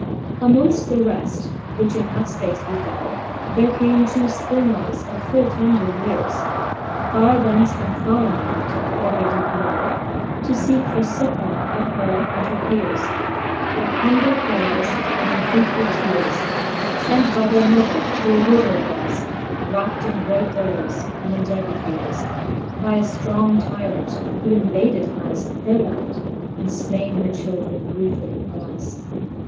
Vol. III. X VI. Amongft 1^4 ^^^ fifi^ Booke of Canto X. VI. Amongft the reft, which in that fpace befell, There came two Springals of fall tender yeares, Farre thence from forrein land, where they did dwell, To feeke for fuccour of her and of her Peares, With humble prayers and intreatfuU teares; Sent by their mother, who a widow was. Wrapt in great dolours and in deadly feares, By a ftrong tyrant, who invaded has Her land, and flaine her children ruefully alas